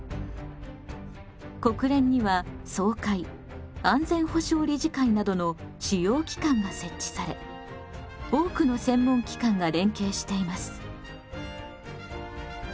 国連には総会安全保障理事会などの主要機関が設置され多くの専門機関が連携しています。